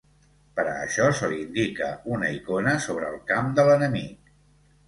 Per a això se li indica una icona sobre el cap de l'enemic.